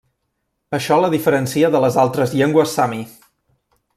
Això la diferència de les altres llengües sami.